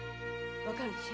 わかるでしょ？